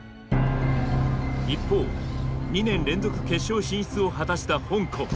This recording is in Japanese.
一方２年連続決勝進出を果たした香港。